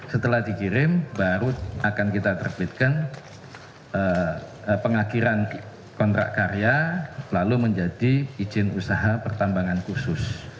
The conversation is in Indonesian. setelah dikirim baru akan kita terbitkan pengakhiran kontrak karya lalu menjadi izin usaha pertambangan khusus